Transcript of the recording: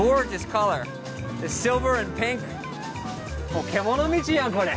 もう獣道やんこれ！